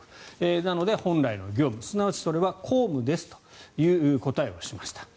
なので、本来の業務すなわちそれは公務ですという答えをしました。